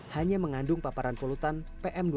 hanya mengandung paparan polutan pm dua lima rambut